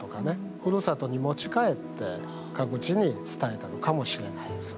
ふるさとに持ち帰って各地に伝えたのかもしれないですよね。